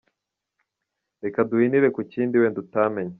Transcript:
Reka duhinire ku kindi wenda utamenye.